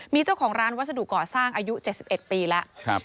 มีเจ้าของร้านวัสดุก่อสร้างอายุ๗๑ปีแล้ว